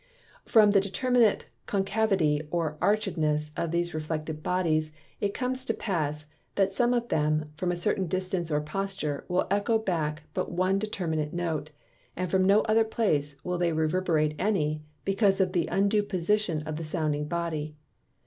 From the determinate Concavity or Archedness of these reflecting Bodies, it comes to pass, that some of them, from a certain distance or posture, will eccho back but one determinate Note, and from no other place will they reverberate any; because of the undue Position of the sounding Body.